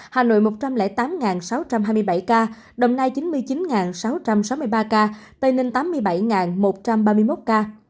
hà nội một trăm linh tám sáu trăm hai mươi bảy ca đồng nai chín mươi chín sáu trăm sáu mươi ba ca tây ninh tám mươi bảy một trăm ba mươi một ca